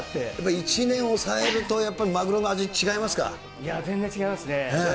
１年抑えるとやっぱりマグロの味、違いますか。